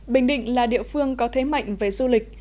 bình định là địa phương có thế mạnh về du lịch